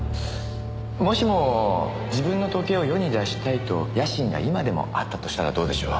もしも自分の時計を世に出したいと野心が今でもあったとしたらどうでしょう？